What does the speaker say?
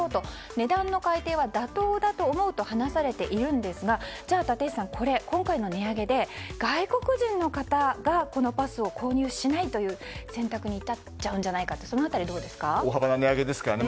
値段の改定は妥当だと思うと話されているんですがじゃあ立石さん、今回の値上げで外国人の方がこのパスを購入しないという選択に至っちゃうんじゃないか大幅な値上げですからね。